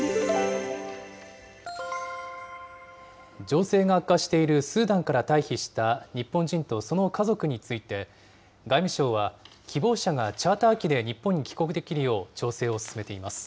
情勢が悪化しているスーダンから退避した日本人とその家族について、外務省は、希望者がチャーター機で日本に帰国できるよう調整を進めています。